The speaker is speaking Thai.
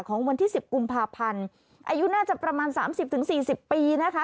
ของวันที่สิบกุมภาพันธ์อายุน่าจะประมาณสามสิบถึงสี่สิบปีนะคะ